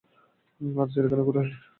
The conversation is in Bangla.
আর চিড়িয়াখানা ঘুরে আসি।